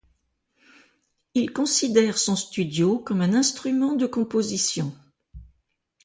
Il considère son studio comme un instrument de composition.